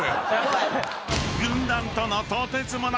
［軍団との］